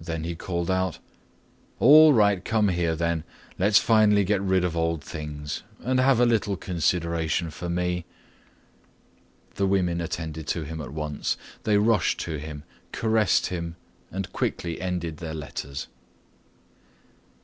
Then he called out, "All right, come here then. Let's finally get rid of old things. And have a little consideration for me." The women attended to him at once. They rushed to him, caressed him, and quickly ended their letters.